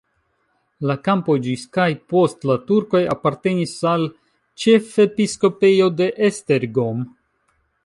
La kampoj ĝis kaj post la turkoj apartenis al ĉefepiskopejo de Esztergom.